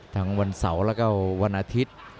วันเสาร์แล้วก็วันอาทิตย์